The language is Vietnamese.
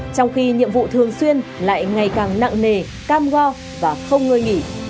trong khi nhiệm vụ thường xuyên lại ngày càng nặng nề cam go và không ngơi nghỉ